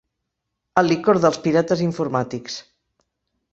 El licor dels pirates informàtics.